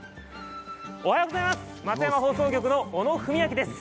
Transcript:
おはようございます。